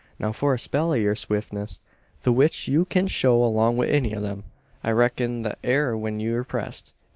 Now for a spell o' yur swiftness, the which you kin show along wi' any o' them, I reckon thet air when ye're pressed.